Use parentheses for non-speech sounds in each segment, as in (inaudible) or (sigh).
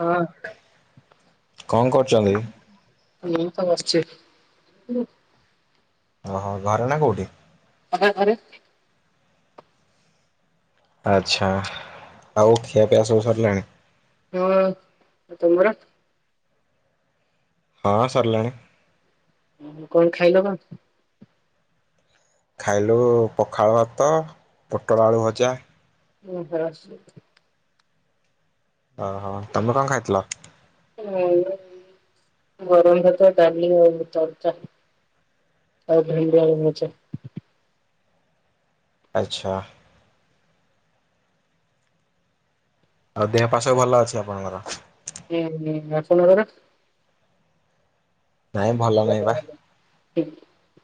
ହଁ କଣ କରୁଛନ୍ତି? ମୁଁ ତ ବସଚି। ଓହୋ ଘରେ ନା କୋଉଠି ହ ଆ (unintelligible) ଆଚ୍ଛା ଆଉ ଖିଆ ପିଆ ସରିଲାଣି। ହଁ ମତମର (unintelligible) ହଁ ସରିଲାନି। କଣ ଖାଇଲ କଣ? ଖାଇଲୁ ପଖାଳୁ ଭାତ ପୋଟଳ ଆଳୁ ଭଜା ହୁଁ ହ। ଓ ହୋ ତମେକଣ ଖାଇଥିଲ। ହ ଗରମ ଭାତ ଡାଲି ତରତା ଆଉ ଭେଣ୍ଡିଆଳୁ ଭଜା ଆଚ୍ଛା। ଆଉ ଦେହ ପା ସବୁ ଭଲ ଅଛି ଆପଣଙ୍କର ହୁଁ ହ ଶଣାର (unintelligible) ନାଇଁ ଭଲ ନାହିଁ ବା।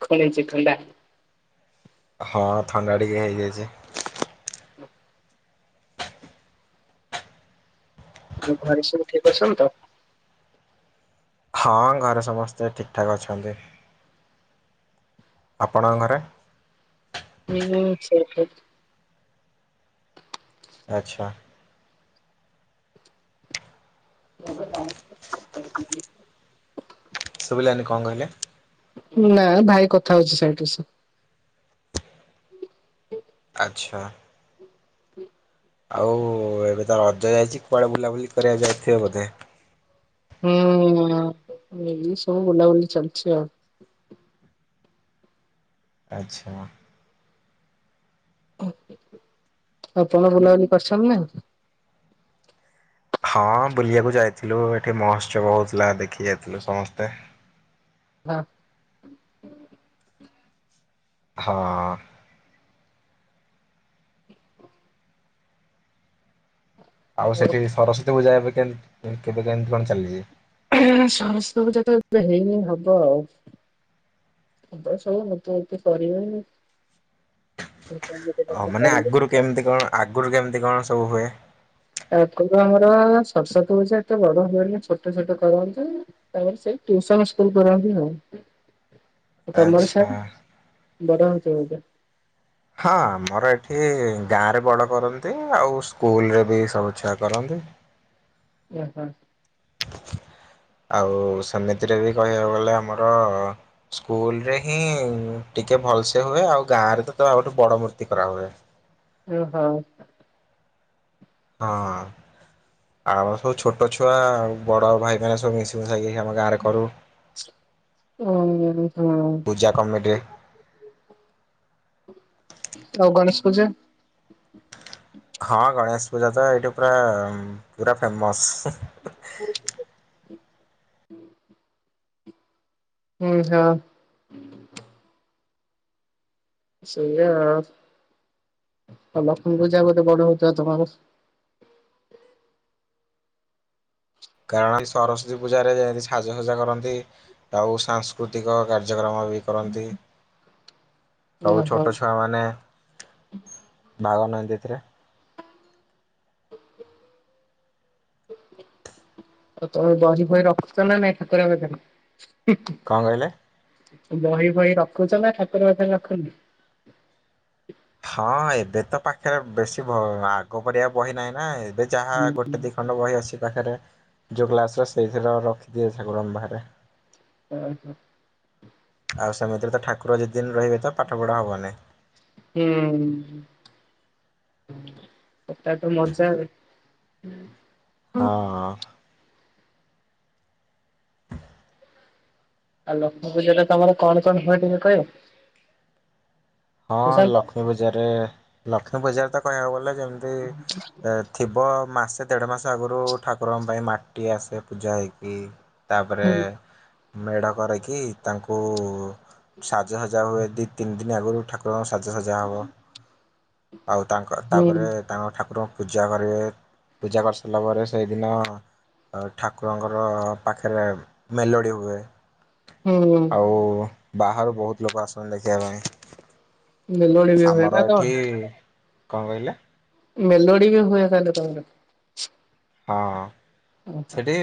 ଖଣ ଚ ଖଣ୍ଡା (unintelligible) ହଁ ଥଣ୍ଡା ଟିକେ ହେଇଯାଇଛି। ଆ ଘରେ ସବୁ ଠିକ୍ ଅଛନ୍ତି ତ। ହଁ ଘରେ ସମସ୍ତେ ଠିକ ଠାକ୍ ଅଛନ୍ତି ଆପଣଙ୍କ ଘରେ ହୁଁ ସେ ଆଚ୍ଛା। (unintelligible) ବୁଲାନି କଣ କହିଲେ? ନା ଭାଇ କଥା ହଉଛି ସେଇଠ ସେ। (unintelligible) ଆଚ୍ଛା। ହୁଁ। ଆଉ ଏବେ ତ ରଜ ଯାଇଛି କୁଆଡେ ବୁଲାବୁଲି କରିବାକୁ ଯାଇଥିବ ବୋଧେ। ହୁଁ ଏ ସବୁ ବୁଲାବୁଲି ଚାଲିଛି ଆଉ। ଆଚ୍ଛା। ଆପଣ ବୁଲାବୁଲି କରିଛନା ନା କି? ହଁ ବୁଲିବାକୁ ଯାଇଥିଲୁ ଏଠି ମହୋତ୍ସବ ହଉଥିଲା ଦେଖି ଯାଇଥିଲୁ ସମସ୍ତେ। ହଁ। ହଁ। ଆଉ ହଁ ସେଠି ସରସ୍ଵତୀ ପୂଜା ପାଇଁ କେ କେବେ କେମିତି କଣ ଚାଲିଛି? ସମସ୍ତଙ୍କୁ ଯଦି ହେଇନି ହବ ଆଉ ବ ସବୁ ମତେ ଏତେ କରିବ। ଓ ମାନେ ଆଗରୁ କେମିତି କଣ ଆଗରୁ କେମିତି କଣ ସବୁ ହୁଏ। ତାପ ଆମର ସରସ୍ଵତୀ ପୂଜା ଏତେ ବଡ ହୁଏନି ଛୋଟ ଛୋଟ କରନ୍ତି ତାପରେ ସେଇ ଟିୟୁସନ ସ୍କୁଲ ତରଫରୁ ହୁଏ। ଆଚ୍ଛା। ବଡ଼ ହୋଉଛ ବୋଧେ। ହଁ ଆମର ଏଠି ଗାଁ (unintelligible) ଆଉ ସେମିତିରେ ବି କହିବାକୁ ଗଲେ ଆମର ସ୍କୁଲ ରେ ହିଁ ଟିକେ ଭଲସେ ହୁଏ। ଆଉ ଗାଁରେ ତ ଆଉଠୁ ବଡ ମୂର୍ତ୍ତି କରାହୁଏ। ଓ ହୋ। ହଁ ଆଉ ସବୁ ଛୋଟ ଛୁଆ ବଡ ଭାଇ ମାନେ ସବୁ ମିଶି ମୁସାକି ଆମ ଗାଁ ରେ କରୁ। (unintelligible) ପୂଜା କମିଟିରେ ଆଉ ଗଣେ ପୂଜା। ହଁ ଗଣେଶ ପୂଜା ତ ଏଇଠି ପୁରା ପୁରା ଫେମସ। ହୁଁ ହଁ। ସେଇଆ ଆଉ ଲକ୍ଷ୍ମୀ ପୂଜା ଗୋଟେ ବଡ ହଉଥିବ ତମର। କାରଣ ସରସ୍ଵତୀ ପୂଜାରେ ଯେମିତି ସାଜସଜା କରନ୍ତି। ଆଉ ସାଂସ୍କୃତିକ କାର୍ଯ୍ୟକ୍ରମ ବି କରନ୍ତି। ତ ଓହୋ ଛୋଟ ଛୁଆ ମାନେ ବାଘ ନ (unintelligible) ଆଉ ତମେ ବହି ଫଇ ରଖୁଛ ନା ନାଇଁ ଠାକୁର ପାଖରେ। କଣ କହିଲେ? ବହି ଫଇ ରଖୁଛ ନା ଠାକୁର ପାଖରେ ରଖନି। ହଁ ଏବେ ତ ପାଖରେ ବେଶୀ ବ ଆଗ ପରିଆ ବହି ନାହିଁ ନା ଏ ଯାହା ଗୋଟେ ଦି ଖଣ୍ଡ ବହି ଅଛି ପାଖରେ। ଯଉ ଗ୍ଲାସରେ ସେଇଥିରେ ରଖିଦିଏ ଠାକୁରଙ୍କ ବାହାରେ। ହଁ- ହଁ। ଆଉ ସେମିତିରେ ତ ଠାକୁର ଯେତଦିନ ରହିବେ ତ ପାଠ ପଢା ହବନାହିଁ। ହୁଁ ସେଟା ତ ମଜା ଆଉ। ହଁ- ହଁ। ଆଉ ଲକ୍ଷ୍ମୀ ପୂଜାରେ ତମର କଣ କଣ ହୁଏ ଟିକେ କହିବ? ହଁ ସୁଶାନ୍ତ? ଲକ୍ଷ୍ମୀ ବଜାରରେ ଲକ୍ଷ୍ମୀ ବଜାର ତ କହିବାକୁ ଗଲେ ଯେମିତି ଥିବ ଆ ମାସେ ଦେଢ଼ ମାସ ଆଗରୁ ଠାକୁରଙ୍କ ପାଇଁ ମାଟି ଆସେ ପୂଜା ହେଇକି ତା‌ ପରେ, ହୁଁ ମେଢ କରକି ତାଙ୍କୁ ସାଜସଜା ହୁଏ ଦି ତିନି ଦିନ ଆଗରୁ କ୍ରସ୍। ସାଜସଜା ହେବ ଆଉ ତାଙ୍କ ତାପରେ ହୁଁ ତାଙ୍କ ଠାକୁରଙ୍କ ପୂଜା କରିବେ। ପୂଜା କରିସାରିଲା ପରେ ସେଇଦିନ ଠାକୁରଙ୍କର ପାଖରେ ମେଲୋଡ଼ି ହୁଏ। ହୁଁ ଆଉ ବାହାରୁ ବହୁତ ଲୋକ ଆସନ୍ତି ଦେଖିବା ପାଇଁ‌। ଲୋହ ବି ହଏ ନା ତ କଣ କହିଲେ? ମେଲୋଡି ହୁଏ ତା ହେଲେ ତମର? ହଁ। ଓହୋ। ସେଠି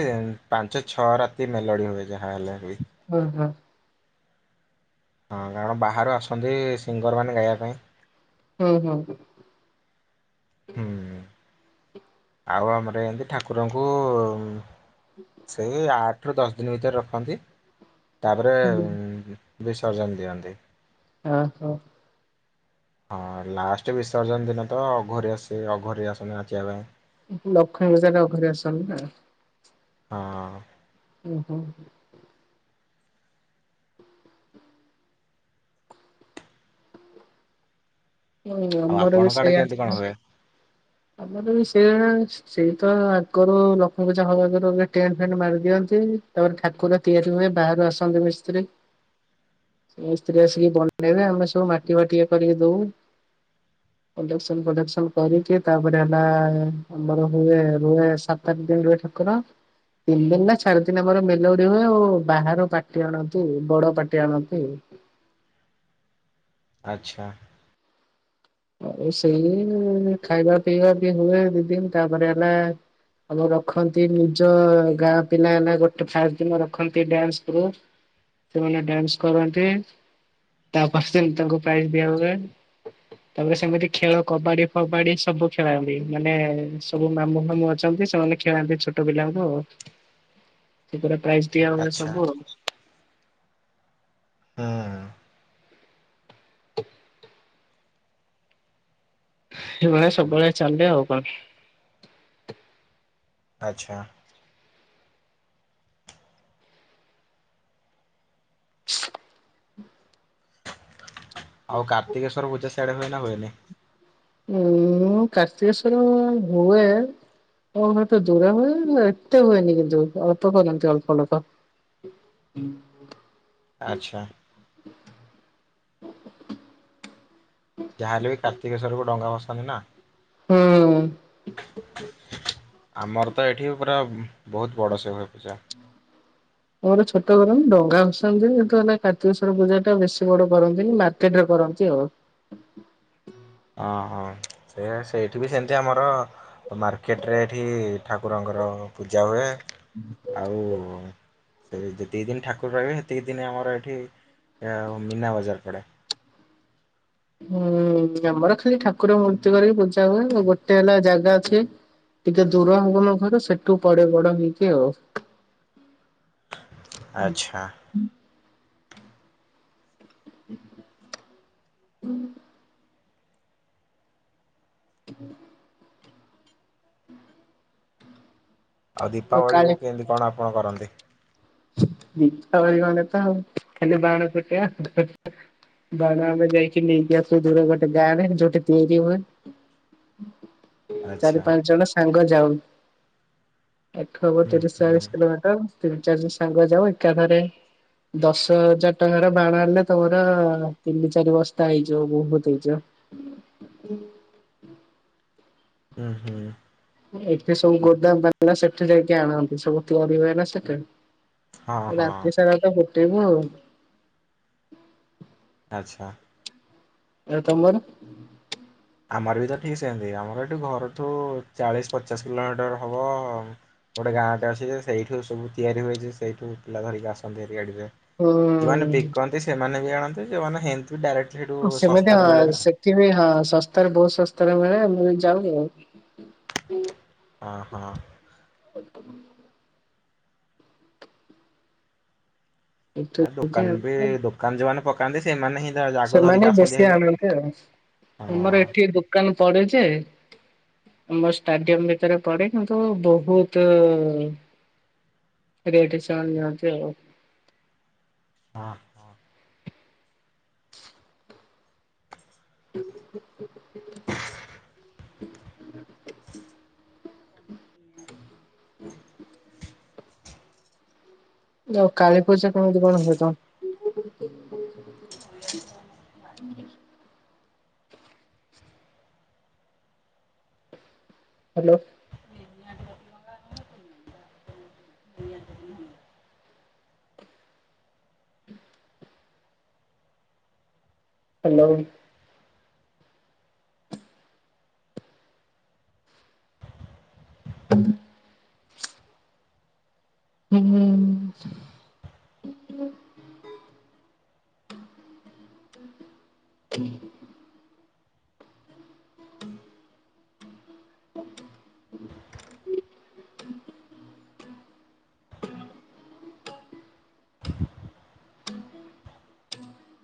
ପାଞ୍ଚ ଛଅ ରାତି ମେଲୋଡି ହୁଏ। ଯାହା ହେଲେ ବି। ହଁ ହଁ ହଁ କାରଣ ବାହାରୁ ଆସନ୍ତି ସିଙ୍ଗର ମାନେ ଗାଇବା ପାଇଁ ହୁଁ ହୁଁ। ହୁଁ। ଆଉ ଆମର ଏମତି ଠାକୁରଙ୍କୁ ସେଇ ଆଠ ଆଠ ରୁ ଦଶ ଦିନ ଭିତରେ ରଖନ୍ତି। ତାପରେ ହୁଁ। ଉ ବିସର୍ଜନ ଦିଅନ୍ତି ‌। ହ ହୋ। ହଁ ଲାଷ୍ଟ ବିସର୍ଜନ ଦିନ ତ ଅଘରି ଆସେ ଅଘରି ଆସନି ନାଚିବା ପାଇଁ। ଲକ୍ଷ୍ମୀ ପୂଜାର ରେ ଅଘରି ଆସଛନ୍ତି ନା। ହଁ। ଓୁ ହୋ। ହୁଁ ଆଉ ଆମର ବି ଆପଣଙ୍କ ଆଡେ ସେଇଆ କେମିତି କଣ ଅଛି ହୁଏ? ଆମର ବି ସେଇଆ ସେଇ ତ ଆଗରୁ ଲକ୍ଷ୍ମୀ ପୂଜା ହବାଗରୁ ଟେଣ୍ଟ ଫେଣ୍ଟ ମାରି ଦିଅନ୍ତି ତାପରେ ଠାକୁର ତିଆରି ହୁଏ ବାହାରୁ ଆସନ୍ତି ମିସ୍ତ୍ରୀ ମିସ୍ତ୍ରୀ ଆସିକି ବନେଇବେ ଆମେ ସବୁ ମାଟି ବାଟି କରିକି ଦଉ। ପ୍ରଡକ୍ସନ ଫ୍ରଡକ୍ସନ କରିକି ତାପରେ ହେଲା ଆମର ହୁଏ ରୁହେ ସାତ ଆଠ ଦିନ ରୁହେ ଠାକୁର ତିନି ଦିନ ନା ଚାରି ଦିନ ଆମର ମେଲୋଡି ହୁଏ ଆଉ ବାହାର ପାଟି ଆଣନ୍ତି ବଡ ପାଟି ଆଣନ୍ତି। ଆଚ୍ଛା। ଆଉ ସେଇ ଖାଇବା ପିଇବା ବି ହୁଏ ଦି ଦିନ ତାପରେ ହେଲା ଆମ ରଖନ୍ତି ନିଜ ଗାଁ ପିଲା ହେଲା ଗୋଟେ ଫାଷ୍ଟ ଦିନ ରଖନ୍ତି ଡ୍ୟାନ୍ସ ପ୍ରୋ ସେମାନେ ଡ୍ୟାନ୍ସ କରନ୍ତି ତାପରେ ସେମତି ତାଙ୍କୁ ପ୍ରାଇଜ ଦିଆ ହୁଏ। ତାପରେ ସେମିତି ଖେଳ କବାଡି ଫବାଡି ସବୁ ଖେଳାନ୍ତି ମାନେ ସବୁ ମାମୁ ଫାମୁଁ ଅଛନ୍ତି ସେମାନେ ଖେଳାନ୍ତି ଛୋଟ ପିଲାଙ୍କୁ ଆଉ ସେଦ୍ବାରା ପ୍ରାଇଜ ଦିଆ ହୁଏ ଆଚ୍ଛା ସବୁ ଆଉ। ହଁ। ସେଭଳିଆ ସବୁବେଳେ ଚାଲେ ଆଉ କଣ? ଆଚ୍ଛା। ଆଉ କାର୍ତ୍ତିକେଶ୍ଵର ପୂଜା ସିଆଡେ ହୁଏ ନା ହୁଏନି। ଉଁ କାର୍ତ୍ତିକେଶ୍ଵର ହୁଏ ମୋ ହତ ଦୂର ହୁଏ ଏତେ ହୁଏନି କିନ୍ତୁ ଅଳ୍ପ କରନ୍ତି ଅଳ୍ପ ଅଲୋକ ଆଚ୍ଛା। ରଙ୍ଗା ବସାନୀ ନା ହୁଁ। ଆମର ତ ଏଠି ପୁରା ବହୁତ ବଡ଼ ସେ ହୁଏ ପୁଜା। ମୋର ଛୋଟ ଘର ଡଙ୍ଗା ଭସାନ୍ତି ଯେତ ହେ କାର୍ତ୍ତିକେଶ୍ଵର ପୂଜା ଟା ବେଶୀ ବଡ କରନ୍ତିନି ମାର୍କେଟରେ କରନ୍ତି ଆଉ। ହଁ ହଁ ସେ ସେଇଠି ବି ସେମିତି ଆମର ମାର୍କେଟ ରେ ଏଠି ଠାକୁରଙ୍କର ପୂଜା ହୁଏ। ଆଉ ସେ ଯେତିିକି ଦିନ ଠା କୁର୍ ରହିବେ ହେତିକି ଦିନେ ଆମର ଏଠି ମୀନା ବଜାର ପଡ଼େ। ହୁଁ ଆମର ଖାଲି ଠାକୁର ମୂର୍ତ୍ତି କରିକି ପୂଜା ହୁଏ ଆଉ ଗୋଟେ ହେଲା ଜାଗା ଅଛି ଟିକେ ଦୂର ହବ ମୋ ଘର ସେଠୁ ପଡେ ବଡ ହେଇକି ଆଉ। ଆଚ୍ଛା। (inaudible) (inaudible) ଆଉ ଦୀପାବଳି କୁ କେମିତି କଣ କଣ କରନ୍ତି? ମିଠା ଦ ମାନେ ତ ଖାଲି ବାଣ ଫୁଟେଇବା (unintelligible) ବାଣ ଆମେ ଯାଇକି ନେଇକିୁ ଦୂର ଗୋଟେ ଗାଁରେ ଯୋଉଟେ ତିଆରି ହୁଏ। ଚାରି ଆଚ୍ଛା ପାଞ୍ଚ ଜଣ ସାଙ୍ଗ। ଯାଉ। ଏଠୁ ହବ ହୁଁ ତିରିଶ ହୁଁ ଚାଳିଶ କିଲୋମିଟର। ତିନି ଚାରି ଜ ସାଙ୍ଗ ଯାଉ ଏକାଥରେ ଦଶ ହଜାର ଟଙ୍କାର ବାଣ ଆଣିଲେ ତମର ତିନି ଚାରି ବସ୍ତା ହେଇଯିବ ବହୁତ ହେଇଯିବ। ହୁଁ ହୁଁ। ଏଠି ସବୁ ଗୋଦାମ ବା ସେଠି ଯାଇକି ଆଣନ୍ତି ସବୁ ତିଆରି ହୁଏନା ସେଠି। ହଁ ହଁ ରାତିି ସାରା ତ ଫ ଫଟେବ ଆଉ। ଆଚ୍ଛା। ଏ ତମର ଆମର ବି ତ ଠିକ୍ ସେମତି। ଆମର ଏଇଠି ଘରଠୁ ଚାଳିଶ ପଚାଶ କିଲୋମିଟର ହବ ଗୋଟେ ଗାଁଟେ ଅଛି ଯେ ସେଇଠୁ ସବୁ ତିଆରି ହୋଇଚି ସେଇଠୁ ପିଲା ଧରିକି ଆସନ୍ତି। ଗାଡିରେ ଯୋଉମାନେ ହୁଁ ବିକନ୍ତି ସେମାନେ କିଣନ୍ତି, ଯେଉଁମାନେ ହେମତି ଡାଇରେକ୍ଟ ସେଇଠୁ ସେ ମଧ୍ୟ ଶସ୍ତାରେ ହଁ ମିଳେ ନା। ସେଥିାପାଇଁ ହଁ ଶସ୍ତାରେ ବହୁତ ଶସ୍ତାରେ ମିଳେ ମୁଁ ଯାଉନି ଆଉ ତ ହଁ ହଁ। ହ ଏଠୁ ଏ ଯାଇକି ଦୋକାନ ବି ଆଣୁ ଦୋକାନ ଯୋଉମାନେ ପ (unintelligible) କାେ ସେମାନେହିଁ ସେମାନେ ବେଶୀ ଆଣନ୍ତି ଆଉ ହଁ ଆମର ଏଠି ଦୋକାନ ପଡ଼େ। (unintelligible) ଆମ ଷ୍ଟାଡିୟମ୍ ଭିତରେ ପଡି କିନ୍ତୁ ବହୁତ ରେଟ୍ ସେମାନେ ନିଅନ୍ତି ଆଉ ହଁ ହଁ। ହଁ (inaudible) କାହାକୁ ଆଉ କାଳୀ ପୂଜା କେମିତି କଣ ହୁଏ ତ? ହୁଁ ହାଲୋ। ତିନି ଆଣ୍ଟି ରସନଙ୍ଗା ନୁହେଁ କି (inaudible) ନେଇଆନ୍ତା କି ନହେନେ। ହୁଁ ହେଲୋ। ହ ଉଁ ହୁଁ। ହୁ